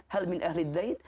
hal min ahli dain